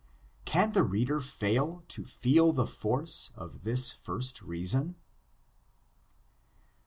Can the reader fail to feel the force of this first reason? 2d.